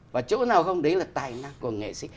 và chỗ nào không đấy là tài năng của nghệ sĩ